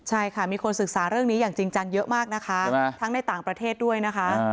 ใช่ค่ะมีคนศึกษาเรื่องนี้อย่างจริงจังเยอะมากนะคะทั้งในต่างประเทศด้วยนะคะ